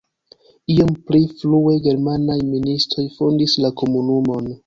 Iom pli frue germanaj ministoj fondis la komunumon.